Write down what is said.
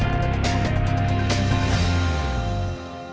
abdul malik malang jawa timur